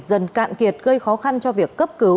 dần cạn kiệt gây khó khăn cho việc cấp cứu